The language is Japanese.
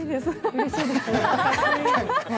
うれしいですね。